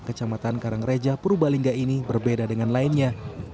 kecamatan karangreja purbalingga ini berbeda dengan lainnya